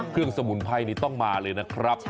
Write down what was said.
เครื่องสมุนไพรนี่ต้องมาเลยนะครับ